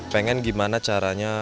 pengen gimana caranya